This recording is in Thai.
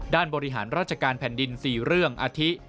บริหารราชการแผ่นดิน๔เรื่องอาทิ